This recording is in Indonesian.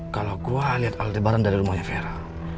kalau gue liat aldebaran dari rumahnya vera